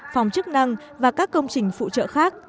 phòng chức năng và các công trình phụ trợ khác